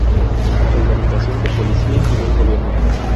Reglamentación de Policía y Buen Gobierno.